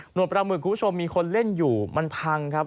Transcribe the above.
ปลาหมึกคุณผู้ชมมีคนเล่นอยู่มันพังครับ